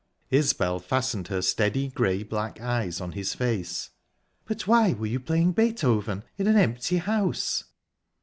_" Isbel fastened her steady, grey black eyes on his face. "But why were you playing Beethoven in an empty house?"